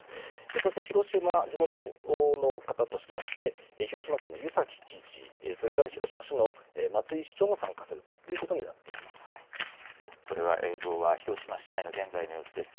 そして広島地元の方としまして、広島県の湯崎知事、それから広島市の松井市長も参加するというここれは映像は広島市内の現在の様子です。